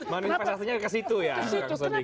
manifestasinya ke situ ya kang sodyk